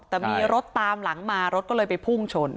แต่มีรถตามหลังมารถก็เลยไปพุ่งชน